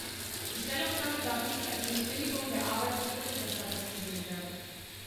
Die Stellungnahme darf nicht als Missbilligung der Arbeit des Berichterstatters gesehen werden.